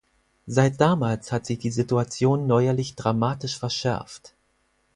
Seit damals hat sich die Situation neuerlich dramatisch verschärft.